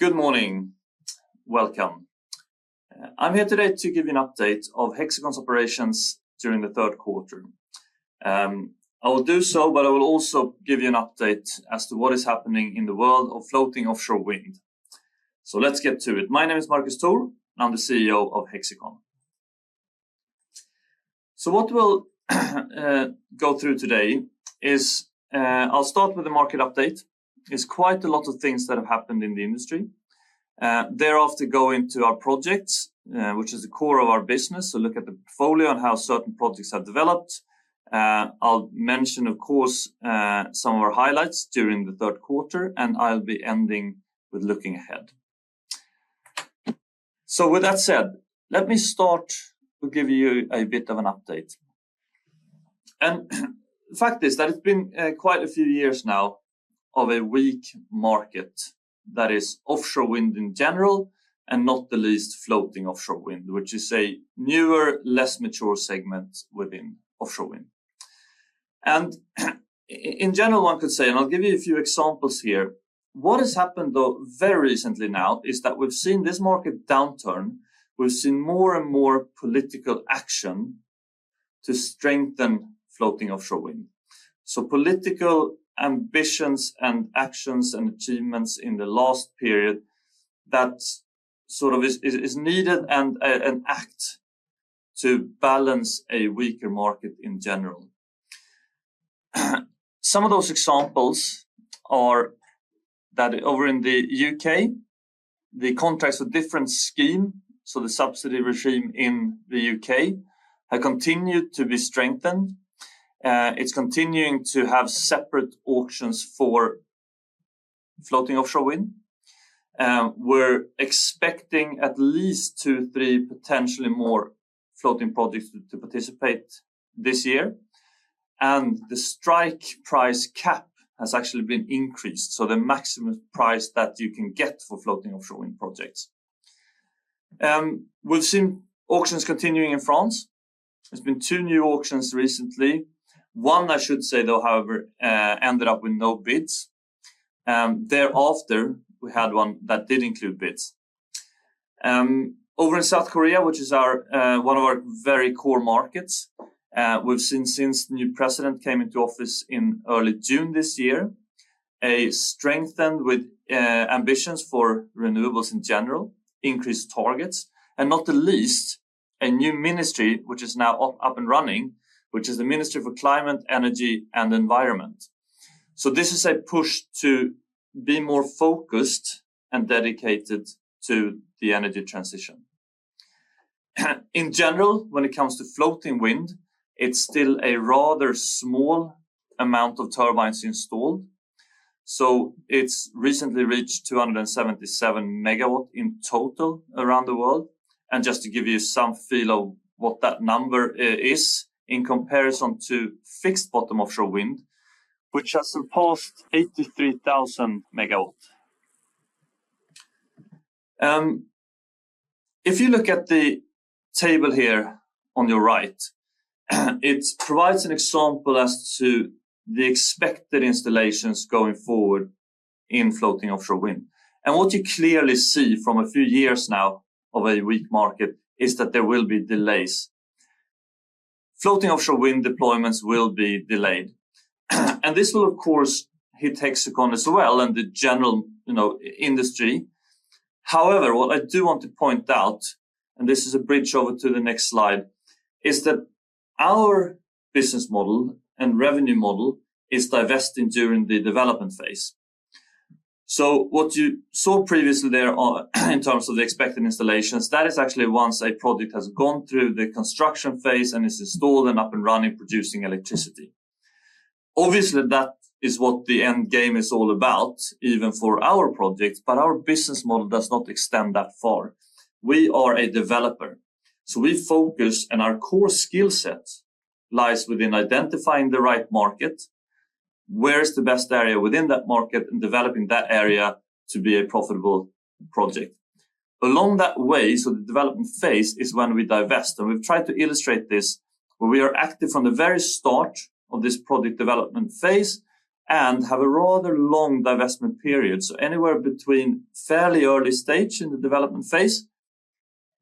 Good morning. Welcome. I'm here today to give you an update of Hexicon's operations during the third quarter. I will do so, but I will also give you an update as to what is happening in the world of floating offshore wind. Let's get to it. My name is Marcus Thor, and I'm the CEO of Hexicon. What we'll go through today is I'll start with the market update. There's quite a lot of things that have happened in the industry. Thereafter, go into our projects, which is the core of our business, so look at the portfolio and how certain projects have developed. I'll mention, of course, some of our highlights during the third quarter, and I'll be ending with looking ahead. With that said, let me start with giving you a bit of an update. The fact is that it's been quite a few years now of a weak market that is offshore wind in general, and not the least floating offshore wind, which is a newer, less mature segment within offshore wind. In general, one could say, and I'll give you a few examples here, what has happened, though, very recently now is that we've seen this market downturn. We've seen more and more political action to strengthen floating offshore wind. Political ambitions and actions and achievements in the last period that sort of is needed and an act to balance a weaker market in general. Some of those examples are that over in the U.K., the Contracts for Difference schemes, so the subsidy regime in the U.K., have continued to be strengthened. It's continuing to have separate auctions for floating offshore wind. We're expecting at least two, three, potentially more floating projects to participate this year. The strike price cap has actually been increased, so the maximum price that you can get for floating offshore wind projects. We've seen auctions continuing in France. There's been two new auctions recently. One, I should say, though, however, ended up with no bids. Thereafter, we had one that did include bids. Over in South Korea, which is one of our very core markets, we've seen since the new president came into office in early June this year, a strengthened ambition for renewables in general, increased targets, and not the least, a new ministry, which is now up and running, which is the Ministry for Climate, Energy, and Environment. This is a push to be more focused and dedicated to the energy transition. In general, when it comes to floating wind, it's still a rather small amount of turbines installed. It's recently reached 277 MW in total around the world. Just to give you some feel of what that number is in comparison to fixed bottom offshore wind, which has surpassed 83,000 MW. If you look at the table here on your right, it provides an example as to the expected installations going forward in floating offshore wind. What you clearly see from a few years now of a weak market is that there will be delays. Floating offshore wind deployments will be delayed. This will, of course, hit Hexicon as well and the general industry. However, what I do want to point out, and this is a bridge over to the next slide, is that our Business Model and Revenue Model is divesting during the development phase. What you saw previously there in terms of the expected installations, that is actually once a project has gone through the construction phase and is installed and up and running, producing electricity. Obviously, that is what the end game is all about, even for our project, but our business model does not extend that far. We are a developer. We focus, and our core skill set lies within identifying the right market, where is the best area within that market, and developing that area to be a profitable project. Along that way, the development phase is when we divest. We have tried to illustrate this where we are active from the very start of this project development phase and have a rather long divestment period. Anywhere between fairly early stage in the development phase,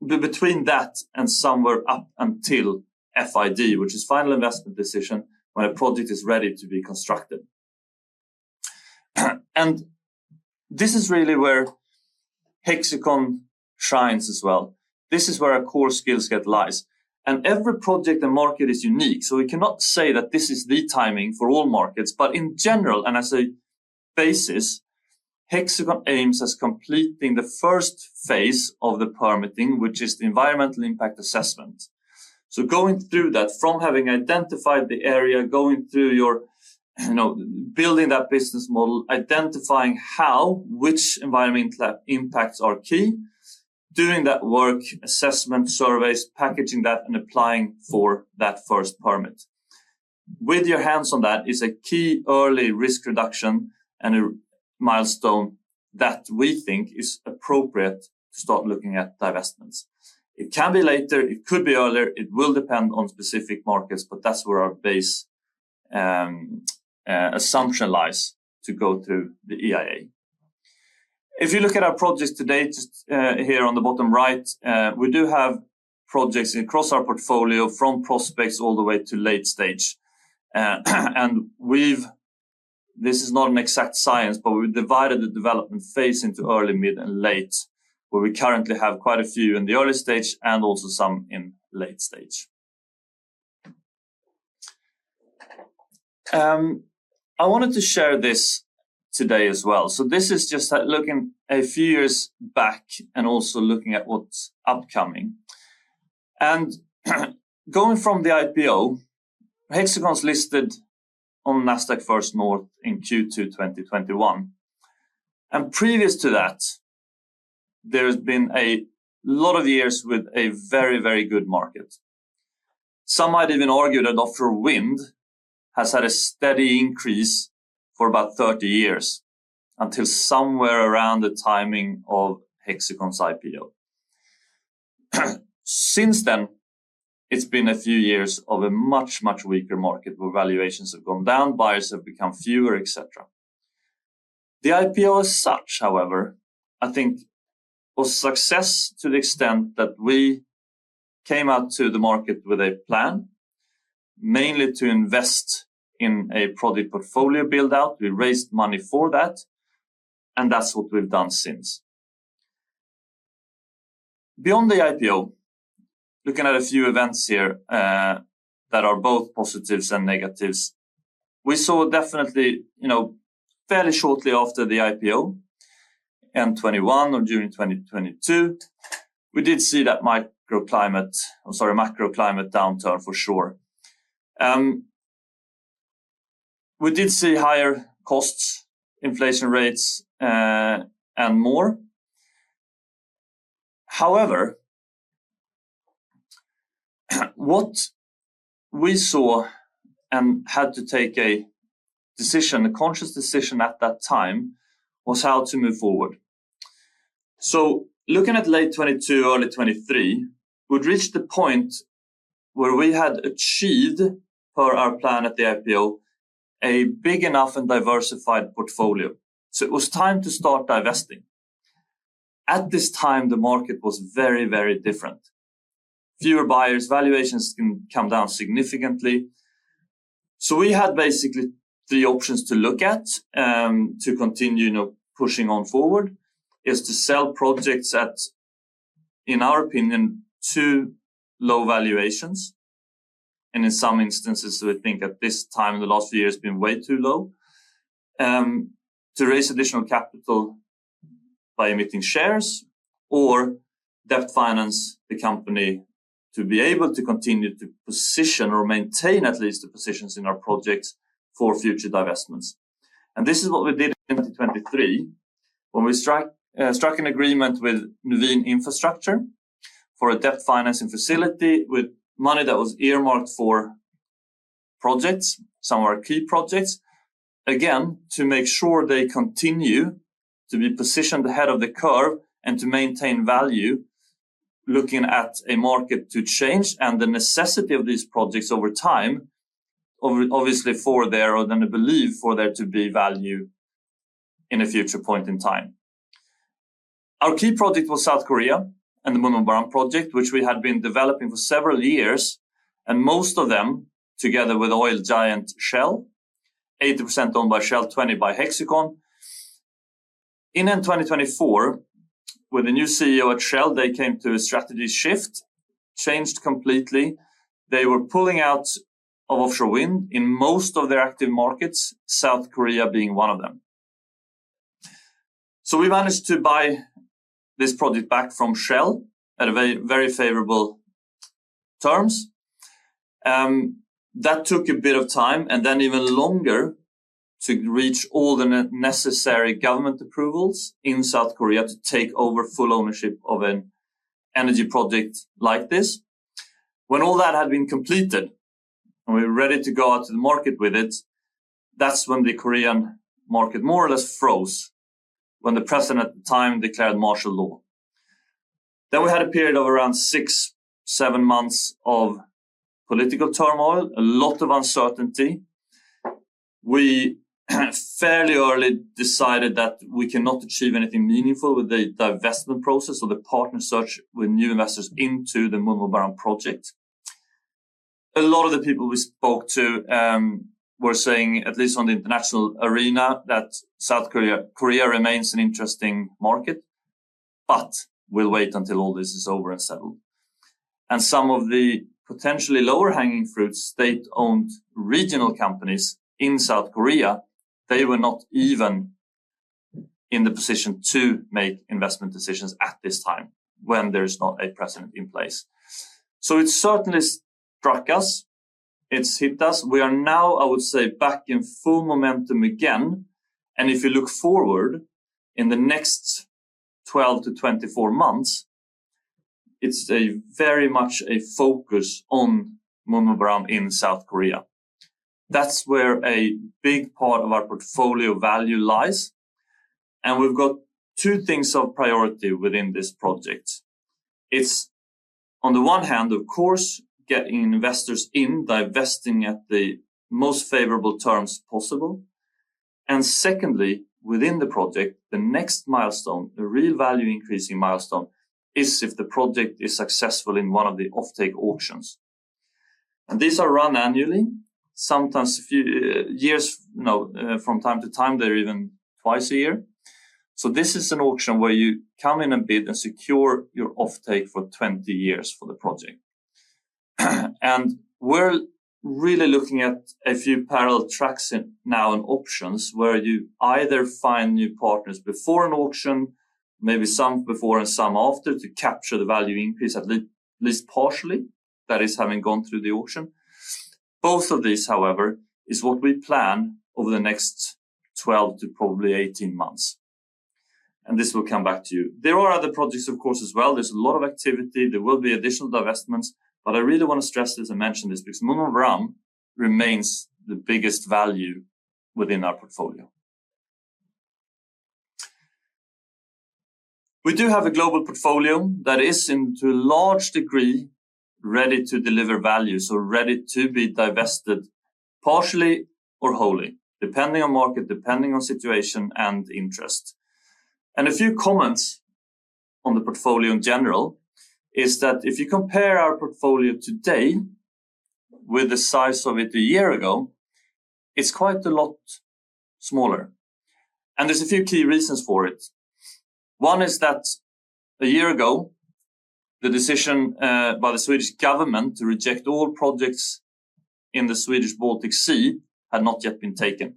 between that and somewhere up until FID, which is Final Investment Decision when a project is ready to be constructed. This is really where Hexicon shines as well. This is where our core skill set lies. Every project and market is unique. We cannot say that this is the timing for all markets. In general, and as a basis, Hexicon aims at completing the first phase of the permitting, which is the environmental impact assessment. Going through that, from having identified the area, going through your building that business model, identifying how which environmental impacts are key, doing that work, assessment, surveys, packaging that, and applying for that first permit. With your hands on that is a key early risk reduction and a milestone that we think is appropriate to start looking at divestments. It can be later. It could be earlier. It will depend on specific markets, but that's where our base assumption lies to go through the EIA. If you look at our projects to date here on the bottom right, we do have projects across our portfolio from prospects all the way to late stage. This is not an exact science, but we've divided the development phase into early, mid, and late, where we currently have quite a few in the early stage and also some in late stage. I wanted to share this today as well. This is just looking a few years back and also looking at what's upcoming. Going from the IPO, Hexicon's listed on Nasdaq First North in Q2 2021. Previous to that, there has been a lot of years with a very, very good market. Some might even argue that offshore wind has had a steady increase for about 30 years until somewhere around the timing of Hexicon's IPO. Since then, it's been a few years of a much, much weaker market where valuations have gone down, buyers have become fewer, et cetera. The IPO as such, however, I think, was a success to the extent that we came out to the market with a plan, mainly to invest in a project portfolio build-out. We raised money for that, and that's what we've done since. Beyond the IPO, looking at a few events here that are both positives and negatives, we saw definitely fairly shortly after the IPO, in 2021 or June 2022, we did see that microclimate downturn for sure. We did see higher costs, inflation rates, and more. However, what we saw and had to take a decision, a conscious decision at that time, was how to move forward. Looking at late 2022, early 2023, we had reached the point where we had achieved, per our plan at the IPO, a big enough and diversified portfolio. It was time to start divesting. At this time, the market was very, very different. Fewer buyers, valuations can come down significantly. We had basically three options to look at to continue pushing on forward: to sell projects at, in our opinion, too low valuations. In some instances, we think at this time in the last few years has been way too low, to raise additional capital by emitting shares or debt finance the company to be able to continue to position or maintain at least the positions in our projects for future divestments. This is what we did in 2023 when we struck an agreement with Naveen Infrastructure for a debt financing facility with money that was earmarked for projects, some of our key projects, again, to make sure they continue to be positioned ahead of the curve and to maintain value, looking at a market to change and the necessity of these projects over time, obviously for there, or then a belief for there to be value in a future point in time. Our key project was South Korea and the MunmuBaram project, which we had been developing for several years, and most of them together with oil giant Shell, 80% owned by Shell, 20% by Hexicon. In 2024, with the new CEO at Shell, they came to a strategy shift, changed completely. They were pulling out of offshore wind in most of their active markets, South Korea being one of them. We managed to buy this project back from Shell at very favorable terms. That took a bit of time and then even longer to reach all the necessary government approvals in South Korea to take over full ownership of an energy project like this. When all that had been completed and we were ready to go out to the market with it, that is when the Korean market more or less froze when the president at the time declared martial law. We had a period of around six months-seven months of political turmoil, a lot of uncertainty. We fairly early decided that we cannot achieve anything meaningful with the divestment process or the partner search with new investors into the MunmuBaram project. A lot of the people we spoke to were saying, at least on the international arena, that South Korea remains an interesting market, but we'll wait until all this is over and settled. Some of the potentially lower hanging fruits, state-owned regional companies in South Korea, they were not even in the position to make investment decisions at this time when there's not a president in place. It certainly struck us. It's hit us. We are now, I would say, back in full momentum again. If you look forward in the next 12 months-24 months, it's very much a focus on MunmuBaram in South Korea. That's where a big part of our portfolio value lies. We've got two things of priority within this project. It's, on the one hand, of course, getting investors in, divesting at the most favorable terms possible. Secondly, within the project, the next milestone, the real value-increasing milestone, is if the project is successful in one of the offtake auctions. These are run annually, sometimes a few years from time to time, they're even twice a year. This is an auction where you come in and bid and secure your offtake for 20 years for the project. We're really looking at a few parallel tracks now in auctions where you either find new partners before an auction, maybe some before and some after, to capture the value increase at least partially that is having gone through the auction. Both of these, however, is what we plan over the next 12 months to probably 18 months. This will come back to you. There are other projects, of course, as well. There's a lot of activity. There will be additional divestments. I really want to stress this and mention this because MunmuBaram remains the biggest value within our portfolio. We do have a global portfolio that is, to a large degree, ready to deliver value, so ready to be divested partially or wholly, depending on market, depending on situation and interest. A few comments on the portfolio in general is that if you compare our portfolio today with the size of it a year ago, it's quite a lot smaller. There are a few key reasons for it. One is that a year ago, the decision by the Swedish Government to reject all projects in the Swedish Baltic Sea had not yet been taken.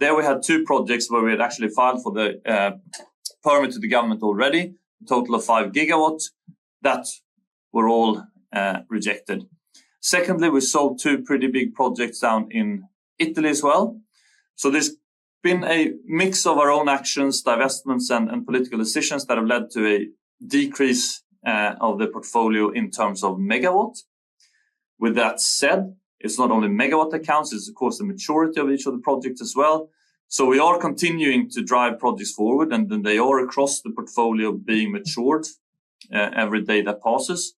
There we had two projects where we had actually filed for the permit to the government already, a total of 5 GW that were all rejected. Secondly, we sold two pretty big projects down in Italy as well. There's been a mix of our own actions, divestments, and political decisions that have led to a decrease of the portfolio in terms of megawatts. With that said, it's not only megawatt accounts. It's, of course, the maturity of each of the projects as well. We are continuing to drive projects forward, and they are across the portfolio being matured every day that passes.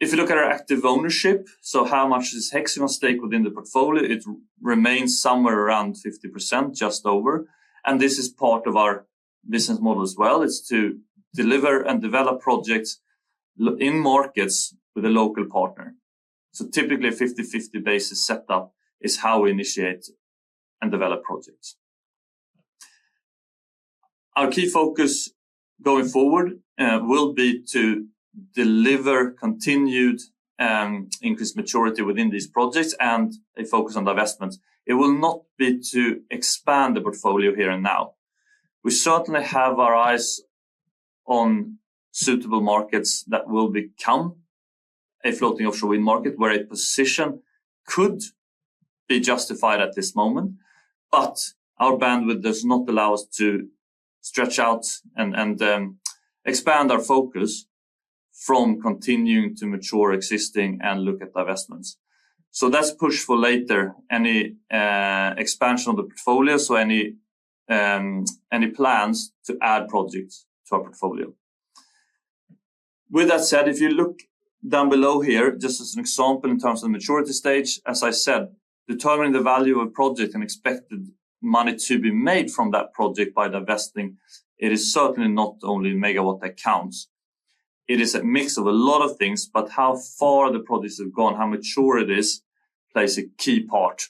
If you look at our active ownership, how much is Hexicon's stake within the portfolio, it remains somewhere around 50%, just over. This is part of our business model as well. It's to deliver and develop projects in markets with a local partner. Typically, a 50/50 basis setup is how we initiate and develop projects. Our key focus going forward will be to deliver continued increased maturity within these projects and a focus on divestments. It will not be to expand the portfolio here and now. We certainly have our eyes on suitable markets that will become a floating offshore wind market where a position could be justified at this moment. Our bandwidth does not allow us to stretch out and expand our focus from continuing to mature existing and look at divestments. That is push for later, any expansion of the portfolio, so any plans to add projects to our portfolio. With that said, if you look down below here, just as an example in terms of the maturity stage, as I said, determining the value of a project and expected money to be made from that project by divesting, it is certainly not only megawatt accounts. It is a mix of a lot of things, but how far the projects have gone, how mature it is, plays a key part.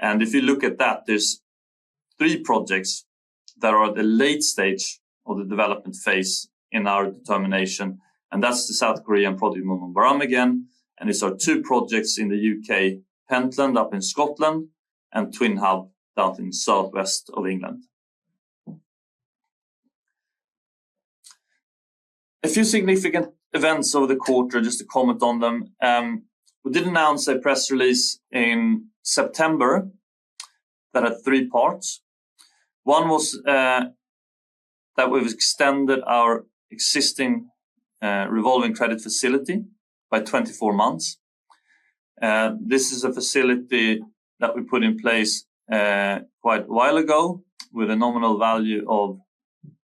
If you look at that, there are three projects that are at the late stage of the development phase in our determination. That is the South Korean project MunmuBaram again. These are two projects in the U.K., Pentland up in Scotland, and TwinHub down in southwest of England. A few significant events over the quarter, just to comment on them. We did announce a press release in September that had three parts. One was that we have extended our existing revolving credit facility by 24 months. This is a facility that we put in place quite a while ago with a nominal value of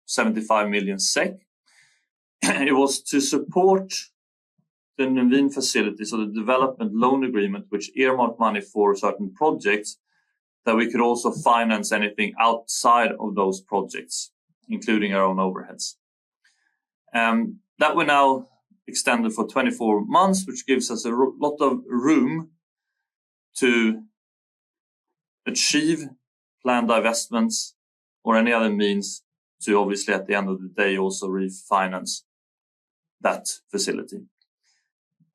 75 million SEK. It was to support the Naveen facility, so the development loan agreement, which earmarked money for certain projects that we could also finance anything outside of those projects, including our own overheads. That we now extended for 24 months, which gives us a lot of room to achieve planned divestments or any other means to obviously, at the end of the day, also refinance that facility.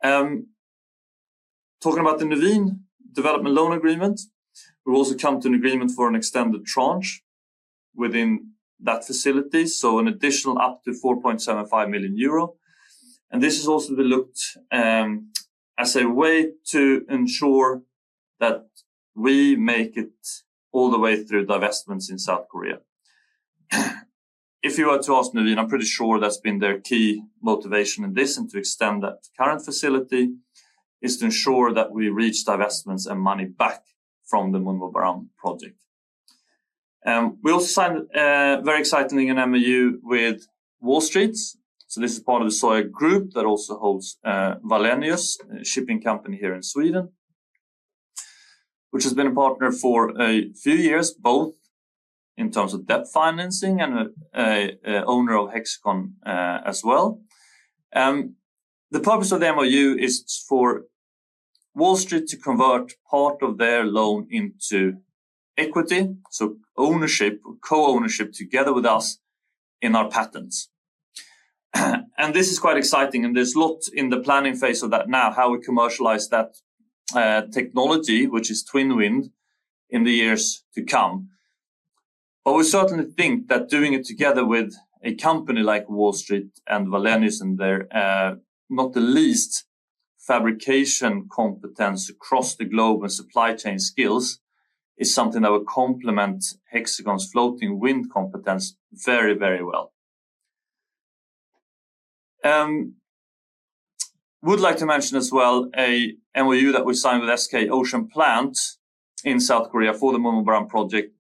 Talking about the Naveen Development Loan Agreement, we've also come to an agreement for an extended tranche within that facility, so an additional up to 4.75 million euro. And this has also been looked as a way to ensure that we make it all the way through divestments in South Korea. If you were to ask Naveen, I'm pretty sure that's been their key motivation in this and to extend that current facility is to ensure that we reach divestments and money back from the MunmuBaram project. We also signed a very exciting MoU with Wallstreet. This is part of the Soya Group that also holds Wallenius, a shipping company here in Sweden, which has been a partner for a few years, both in terms of debt financing and an owner of Hexicon as well. The purpose of the MoU is for Wallstreet to convert part of their loan into equity, so ownership, co-ownership together with us in our patents. This is quite exciting. There is a lot in the planning phase of that now, how we commercialize that technology, which is TwinWind, in the years to come. We certainly think that doing it together with a company like Wallstreet and Wallenius and their, not the least, fabrication competence across the globe and supply chain skills is something that will complement Hexicon's floating wind competence very, very well. We'd like to mention as well an MoU that we signed with SK Ocean Plant in South Korea for the MunmuBaram project.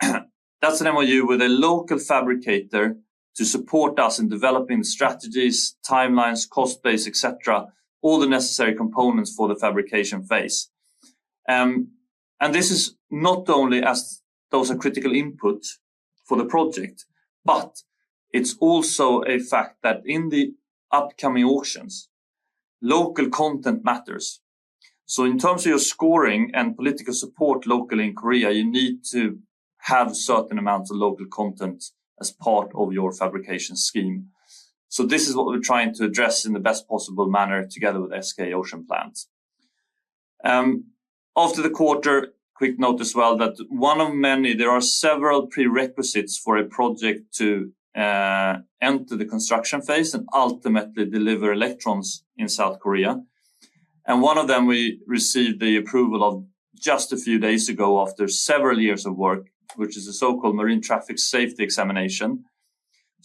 That's an MoU with a local fabricator to support us in developing the strategies, timelines, cost base, etc., all the necessary components for the fabrication phase. This is not only as those are critical inputs for the project, but it's also a fact that in the upcoming auctions, local content matters. In terms of your scoring and political support locally in Korea, you need to have certain amounts of local content as part of your fabrication scheme. This is what we're trying to address in the best possible manner together with SK Ocean Plant. After the quarter, quick note as well that one of many, there are several prerequisites for a project to enter the construction phase and ultimately deliver electrons in South Korea. One of them, we received the approval of just a few days ago after several years of work, which is the so-called Marine Traffic Safety Examination.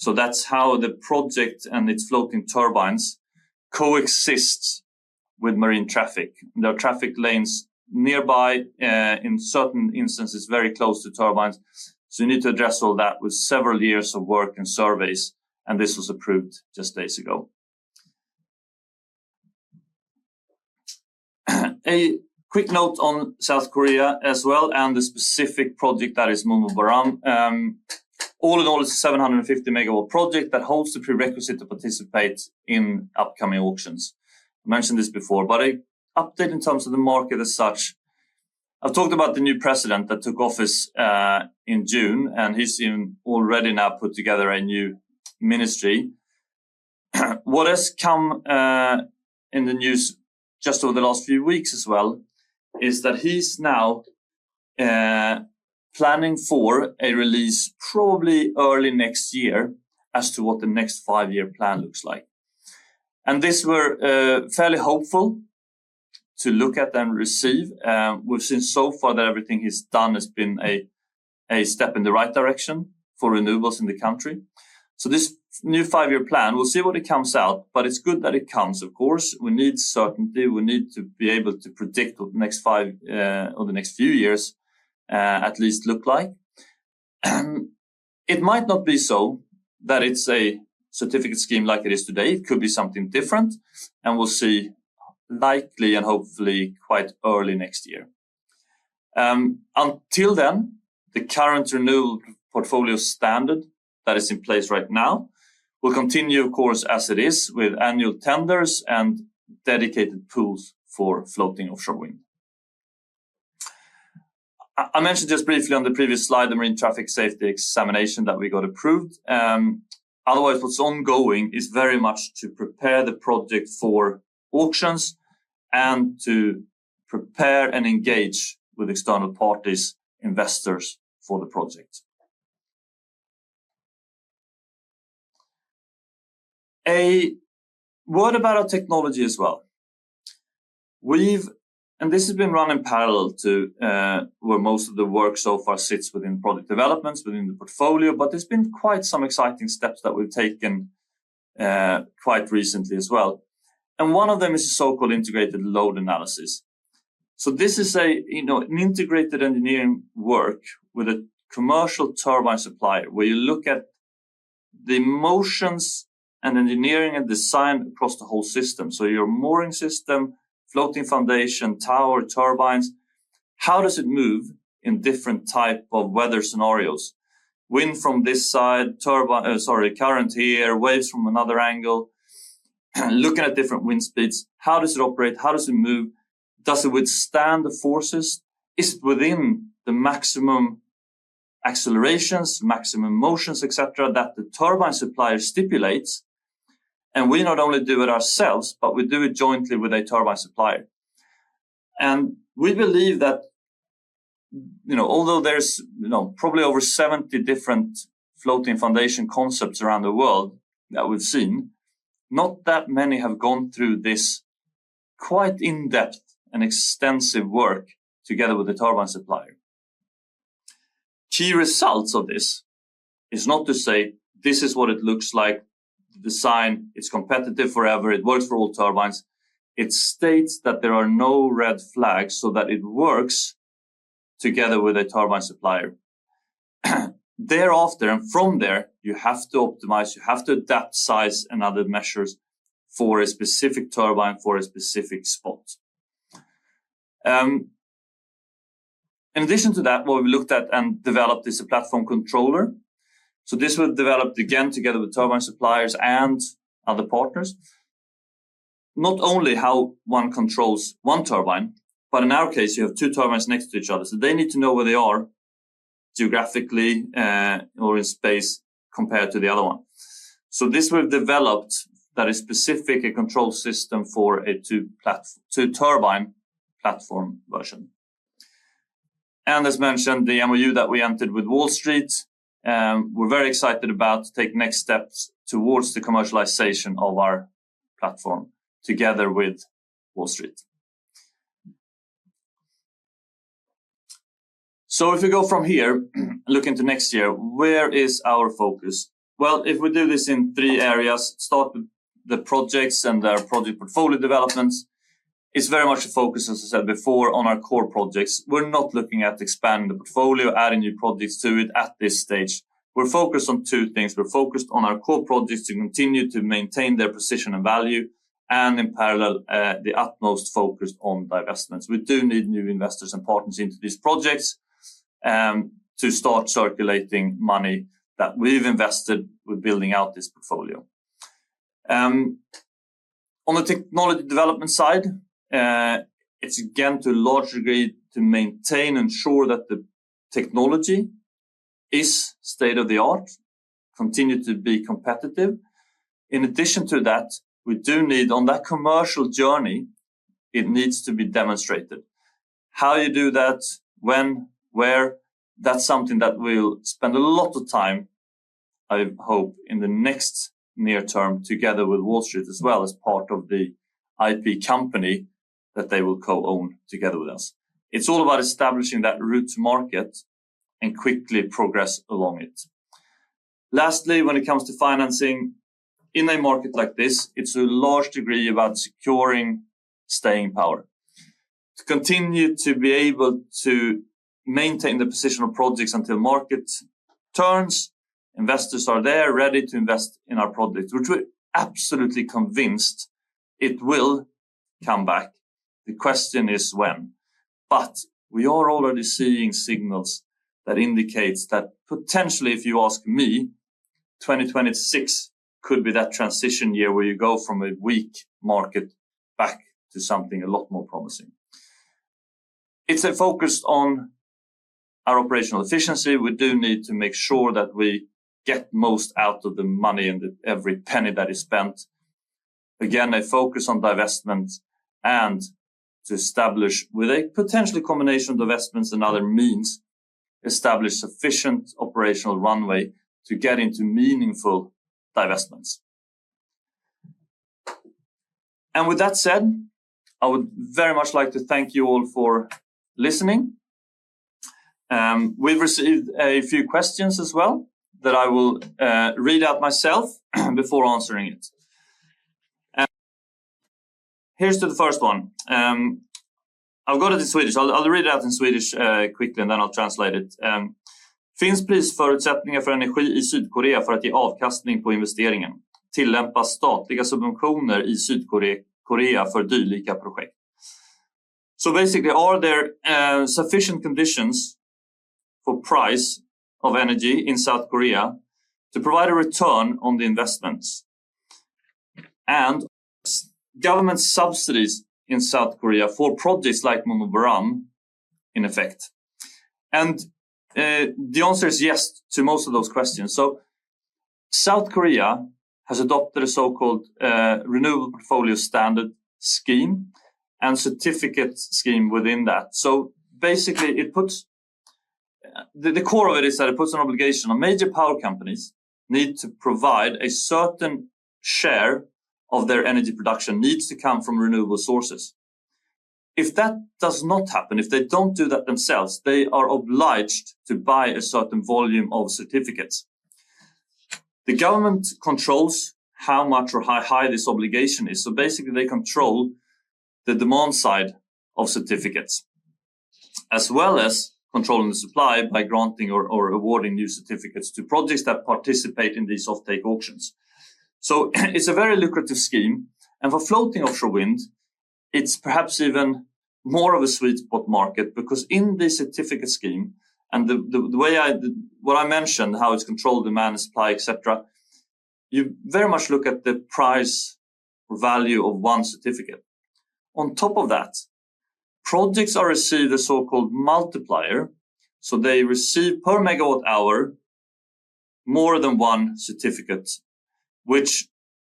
That's how the project and its floating turbines coexist with marine traffic. There are traffic lanes nearby, in certain instances, very close to turbines. You need to address all that with several years of work and surveys. This was approved just days ago. A quick note on South Korea as well and the specific project that is MunmuBaram. All in all, it's a 750 MW project that holds the prerequisite to participate in upcoming auctions. I mentioned this before, but an update in terms of the market as such. I've talked about the new president that took office in June, and he's already now put together a new ministry. What has come in the news just over the last few weeks as well is that he's now planning for a release probably early next year as to what the next five-year plan looks like. These were fairly hopeful to look at and receive. We've seen so far that everything he's done has been a step in the right direction for renewables in the country. This new five-year plan, we'll see what it comes out, but it's good that it comes, of course. We need certainty. We need to be able to predict what the next five or the next few years at least look like. It might not be so that it's a certificate scheme like it is today. It could be something different. We'll see likely and hopefully quite early next year. Until then, the current Renewable Portfolio Standard that is in place right now will continue, of course, as it is with annual tenders and dedicated pools for floating offshore wind. I mentioned just briefly on the previous slide the Marine Traffic Safety Examination that we got approved. Otherwise, what's ongoing is very much to prepare the project for auctions and to prepare and engage with external parties, investors for the project. A word about our technology as well. This has been run in parallel to where most of the work so far sits within product developments, within the portfolio, but there have been quite some exciting steps that we have taken quite recently as well. One of them is the so-called Integrated Load Analysis. This is an integrated engineering work with a commercial turbine supplier where you look at the motions and engineering and design across the whole system. Your mooring system, floating foundation, tower, turbines, how does it move in different types of weather scenarios? Wind from this side, turbine, sorry, current here, waves from another angle, looking at different wind speeds. How does it operate? How does it move? Does it withstand the forces? Is it within the maximum accelerations, maximum motions, etc., that the turbine supplier stipulates? We not only do it ourselves, but we do it jointly with a turbine supplier. We believe that although there's probably over 70 different floating foundation concepts around the world that we've seen, not that many have gone through this quite in-depth and extensive work together with the turbine supplier. Key results of this is not to say this is what it looks like. The design, it's competitive forever. It works for all turbines. It states that there are no red flags so that it works together with a turbine supplier. Thereafter, and from there, you have to optimize. You have to adapt size and other measures for a specific turbine for a specific spot. In addition to that, what we've looked at and developed is a platform controller. This was developed again together with turbine suppliers and other partners. Not only how one controls one turbine, but in our case, you have two turbines next to each other. They need to know where they are geographically or in space compared to the other one. This was developed that is specifically a control system for a two-turbine platform version. As mentioned, the MoU that we entered with Wallstreet, we're very excited about to take next steps towards the commercialization of our platform together with Wallstreet. If we go from here and look into next year, where is our focus? If we do this in three areas, start with the projects and their project portfolio developments, it's very much a focus, as I said before, on our core projects. We're not looking at expanding the portfolio, adding new projects to it at this stage. We're focused on two things. We're focused on our core projects to continue to maintain their position and value. In parallel, the utmost focus on divestments. We do need new investors and partners into these projects to start circulating money that we've invested with building out this portfolio. On the technology development side, it's again to a large degree to maintain and ensure that the technology is state of the art, continue to be competitive. In addition to that, we do need on that commercial journey, it needs to be demonstrated. How you do that, when, where, that's something that we'll spend a lot of time, I hope, in the next near term together with Wallstreet as well as part of the IP company that they will co-own together with us. It's all about establishing that route to market and quickly progress along it. Lastly, when it comes to financing in a market like this, it's to a large degree about securing staying power. To continue to be able to maintain the position of projects until market turns, investors are there ready to invest in our projects, which we're absolutely convinced it will come back. The question is when. We are already seeing signals that indicate that potentially, if you ask me, 2026 could be that transition year where you go from a weak market back to something a lot more promising. It's a focus on our operational efficiency. We do need to make sure that we get most out of the money and every penny that is spent. Again, a focus on divestments and to establish with a potentially combination of investments and other means, establish sufficient operational runway to get into meaningful divestments. With that said, I would very much like to thank you all for listening. We've received a few questions as well that I will read out myself before answering it. Here's to the first one. I've got it in Swedish. I'll read it out in Swedish quickly, and then I'll translate it. Finns prissförutsättningar för energi i Sydkorea för att ge avkastning på investeringen? Tillämpas statliga subventioner i Sydkorea för dylika projekt? So basically, are there sufficient conditions for price of energy in South Korea to provide a return on the investments? And government subsidies in South Korea for projects like MunmuBaram in effect? The answer is yes to most of those questions. South Korea has adopted a so-called Renewable Portfolio Standard scheme and certificate scheme within that. Basically, the core of it is that it puts an obligation on major power companies that need to provide a certain share of their energy production needs to come from renewable sources. If that does not happen, if they don't do that themselves, they are obliged to buy a certain volume of certificates. The government controls how much or how high this obligation is. Basically, they control the demand side of certificates, as well as controlling the supply by granting or awarding new certificates to projects that participate in these offtake auctions. It is a very lucrative scheme. For floating offshore wind, it's perhaps even more of a sweet spot market because in this certificate scheme, and the way I mentioned how it's controlled demand and supply, etc., you very much look at the price or value of one certificate. On top of that, projects are received a so-called multiplier. They receive per megawatt hour more than one certificate, which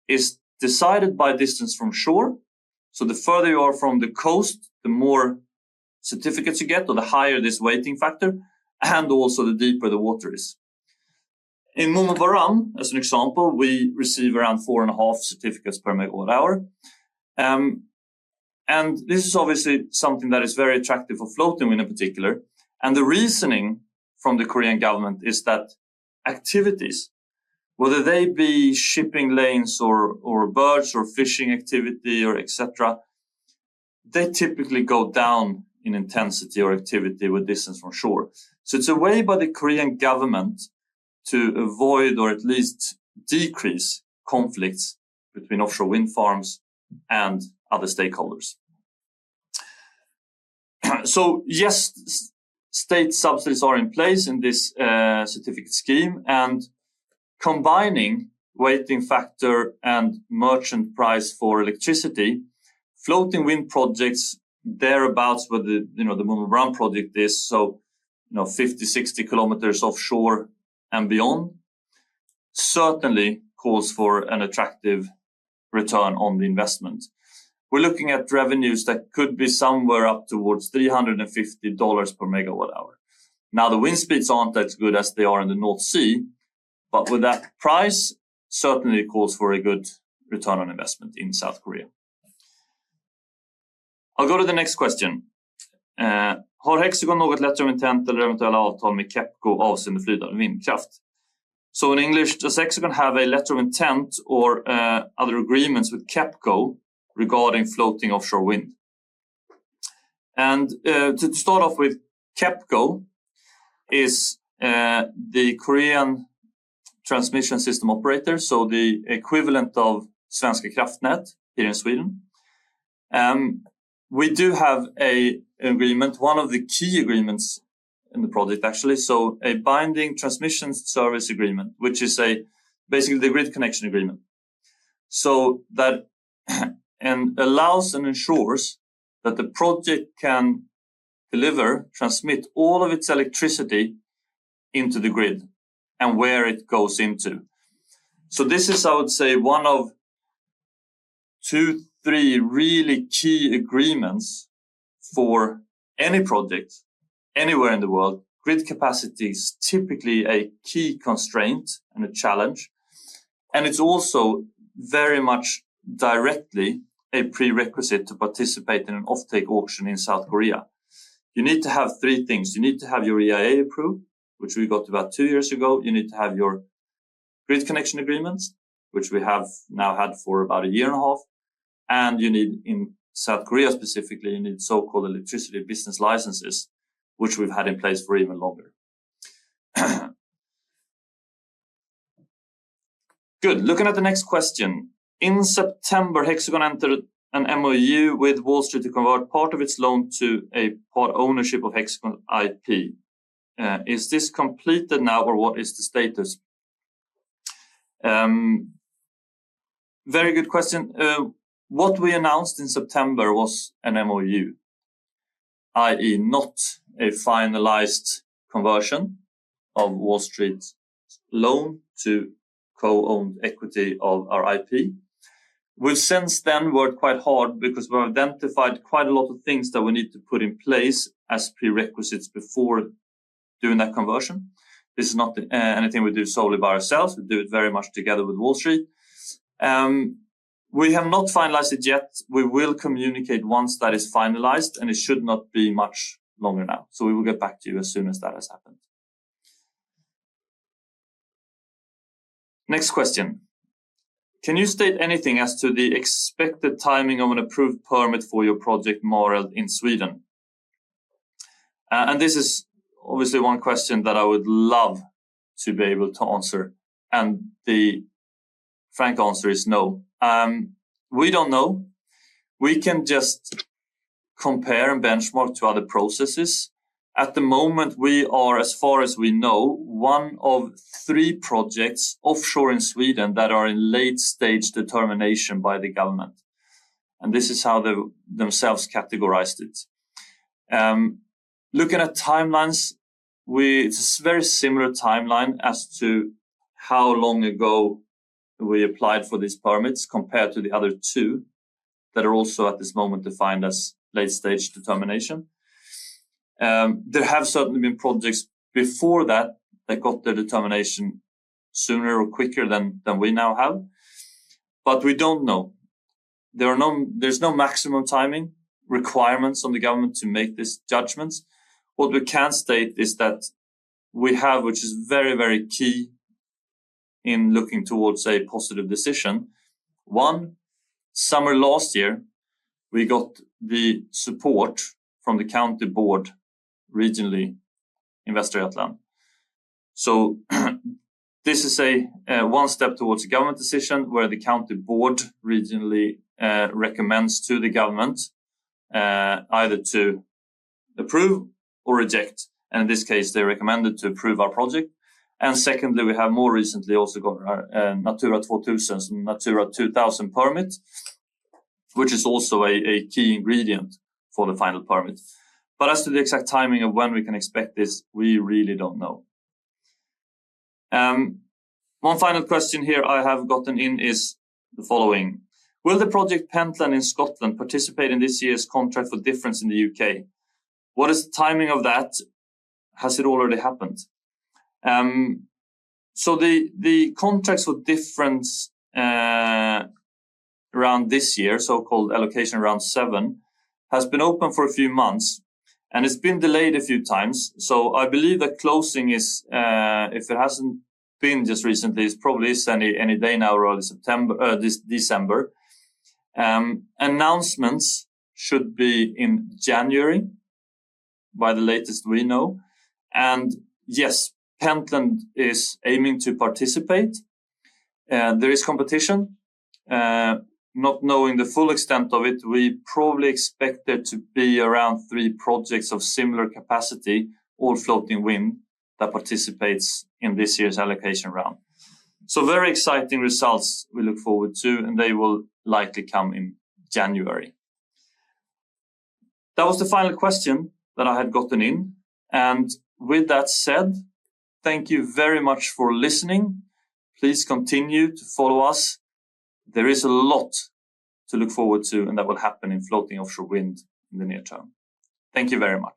is decided by distance from shore. The further you are from the coast, the more certificates you get, or the higher this weighting factor, and also the deeper the water is. In MunmuBaram, as an example, we receive around 4.5 certificates per MWh. This is obviously something that is very attractive for floating wind in particular. The reasoning from the Korean government is that activities, whether they be shipping lanes or berths or fishing activity or etc., they typically go down in intensity or activity with distance from shore. It is a way by the Korean government to avoid or at least decrease conflicts between offshore wind farms and other stakeholders. Yes, state subsidies are in place in this certificate scheme. Combining weighting factor and merchant price for electricity, floating wind projects thereabouts where the MunmuBaram project is, so 50 km-60 km offshore and beyond, certainly calls for an attractive return on the investment. We're looking at revenues that could be somewhere up towards $350 per MWh. Now, the wind speeds aren't as good as they are in the North Sea, but with that price, certainly calls for a good return on investment in South Korea. I'll go to the next question. Har Hexicon något letter of intent eller eventuella avtal med KEPCO avseende flytande vindkraft? In English, does Hexicon have a letter of intent or other agreements with KEPCO regarding floating offshore wind? To start off with, KEPCO is the Korean Transmission System Operator, so the equivalent of Svenska Kraftnät here in Sweden. We do have an agreement, one of the key agreements in the project actually, so a binding transmission service agreement, which is basically the grid connection agreement. That allows and ensures that the project can deliver, transmit all of its electricity into the grid and where it goes into. This is, I would say, one of two, three really key agreements for any project anywhere in the world. Grid capacity is typically a key constraint and a challenge. It is also very much directly a prerequisite to participate in an offtake auction in South Korea. You need to have three things. You need to have your EIA approved, which we got about two years ago. You need to have your grid connection agreements, which we have now had for about a year and a half. You need, in South Korea specifically, so-called Electricity Business Licenses, which we have had in place for even longer. Good. Looking at the next question. In September, Hexicon entered an MoU with Wallenius to convert part of its loan to a part ownership of Hexicon IP. Is this completed now or what is the status? Very good question. What we announced in September was an MoU, i.e., not a finalized conversion of Wallstreet's loan to co-owned equity of our IP. We have since then worked quite hard because we have identified quite a lot of things that we need to put in place as prerequisites before doing that conversion. This is not anything we do solely by ourselves. We do it very much together with Wallstreet. We have not finalized it yet. We will communicate once that is finalized, and it should not be much longer now. We will get back to you as soon as that has happened. Next question. Can you state anything as to the expected timing of an approved permit for your project modeled in Sweden? This is obviously one question that I would love to be able to answer. The frank answer is no. We do not know. We can just compare and benchmark to other processes. At the moment, we are, as far as we know, one of three projects offshore in Sweden that are in late-stage determination by the government. This is how they themselves categorized it. Looking at timelines, it is a very similar timeline as to how long ago we applied for these permits compared to the other two that are also at this moment defined as late-stage determination. There have certainly been projects before that that got their determination sooner or quicker than we now have. We do not know. There are no maximum timing requirements on the government to make this judgment. What we can state is that we have, which is very, very key in looking towards a positive decision. One, summer last year, we got the support from the county board regionally in Västra Götaland. This is one step towards a government decision where the county board regionally recommends to the government either to approve or reject. In this case, they recommended to approve our project. Secondly, we have more recently also got our Natura 2000 permit, which is also a key ingredient for the final permit. As to the exact timing of when we can expect this, we really do not know. One final question here I have gotten in is the following. Will the project Pentland in Scotland participate in this year's contract for difference in the U.K.? What is the timing of that? Has it already happened? The contracts for difference round this year, so-called allocation round seven, has been open for a few months, and it's been delayed a few times. I believe the closing is, if it hasn't been just recently, it probably is any day now or early December. Announcements should be in January by the latest we know. Yes, Pentland is aiming to participate. There is competition. Not knowing the full extent of it, we probably expect there to be around three projects of similar capacity, all floating wind that participates in this year's allocation round. Very exciting results we look forward to, and they will likely come in January. That was the final question that I had gotten in. With that said, thank you very much for listening. Please continue to follow us. There is a lot to look forward to, and that will happen in floating offshore wind in the near term. Thank you very much.